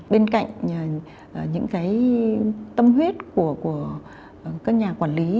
bên cạnh những cái tâm huyết của các nhà quản lý